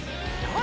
誰？